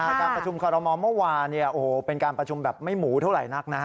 การประชุมคอรมอลเมื่อวานเป็นการประชุมแบบไม่หมูเท่าไหร่นักนะฮะ